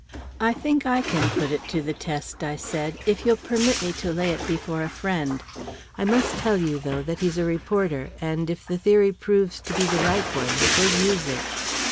"I think I can put it to the test," I said, "if you'll permit me to lay it before a friend. I must tell you, though, that he's a reporter, and if the theory proves to be the right one, he'll use it."